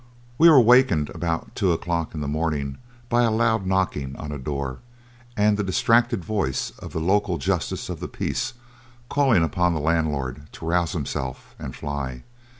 We were wakened about two o'clock in the morning by a loud knocking on a door and the distracted voice of the local justice of the peace calling upon the landlord to rouse himself and fly.